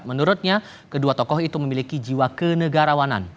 menurutnya kedua tokoh itu memiliki jiwa kenegarawanan